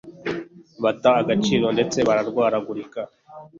bata agaciro ndetse bararwaragurika